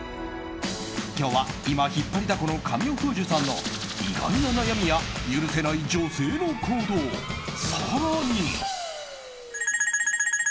今日は今、引っ張りだこの神尾楓珠さんの意外な悩みや許せない女性の行動更に。